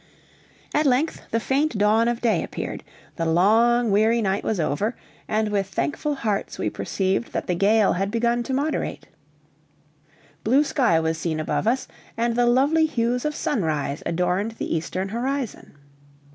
At length the faint dawn of day appeared, the long, weary night was over, and with thankful hearts we perceived that the gale had began to moderate; blue sky was seen above us, and the lovely hues of sunrise adorned the eastern horizon.